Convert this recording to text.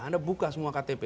anda buka semua ktp